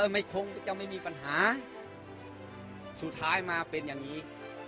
ไม่คงจะไม่มีปัญหาสุดท้ายมาเป็นอย่างนี้